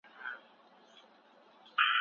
که خور ته پام وکړو نو ګیله نه کوي.